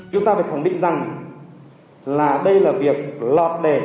chúng ta phải khẳng định rằng là đây là việc lọt đề